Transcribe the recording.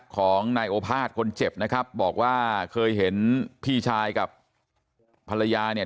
ของนายโอภาษย์คนเจ็บนะครับบอกว่าเคยเห็นพี่ชายกับภรรยาเนี่ย